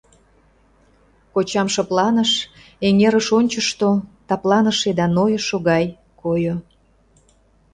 Кочам шыпланыш, эҥерыш ончышто, тыпланыше да нойышо гай койо.